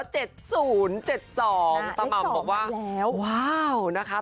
หม่ำบอกว่าว้าวนะคะ